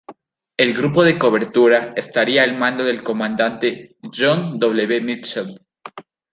El grupo de cobertura estaría al mando del Comandante John W. Mitchell.